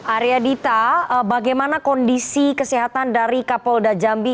arya dita bagaimana kondisi kesehatan dari kapolda jambi